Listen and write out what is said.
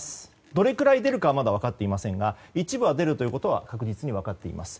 どれくらい出るかはまだ分かっていませんが一部は出るということは確実に分かっています。